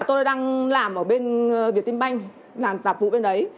tôi đang làm ở bên việt tinh banh làm tạp vụ bên đấy